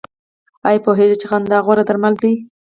ایا پوهیږئ چې خندا غوره درمل ده؟